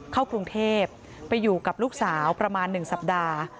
เข้ากรุงเทพไปอยู่กับลูกสาวประมาณ๑สัปดาห์